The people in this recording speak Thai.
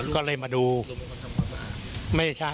ก็เลยมาดูไม่ใช่